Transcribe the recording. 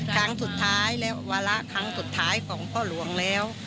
ครั้งสุดท้ายและวาระครั้งสุดท้ายของพ่อหลวงแล้ว